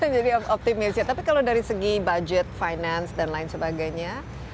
optimis ya tapi kalau dari segi budget finance dan lain sebagainya